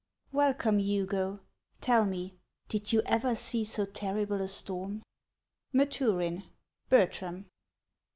Welcome, Hugo ; tell me, did you ever see so terrible a storm ?— MATVKIX : Bertram.